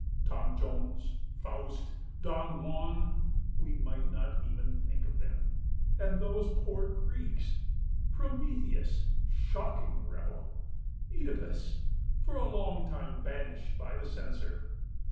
Tom Jones, Faust, Don Juan—we might not even think of them: And those poor Greeks: Prometheus —shocking rebel. OEdipus for a long time banished by the Censor.